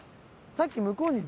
さっき向こうに。